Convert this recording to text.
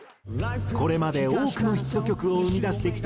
これまで多くのヒット曲を生み出してきた２組。